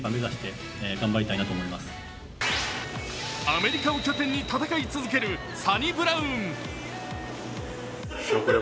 アメリカを拠点に戦い続けるサニブラウン。